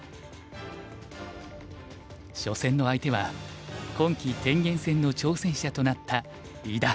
初戦の相手は今期天元戦の挑戦者となった伊田。